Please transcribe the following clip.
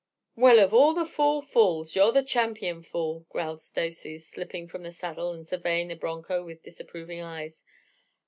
"Well, of all the fool fools, you're the champion fool!" growled Stacy, slipping from the saddle and surveying the broncho with disapproving eyes.